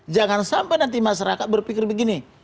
jangan sampai nanti masyarakat berpikir begini